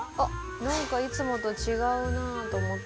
何かいつもと違うなと思って。